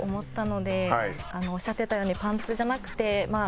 おっしゃってたようにパンツじゃなくてまあ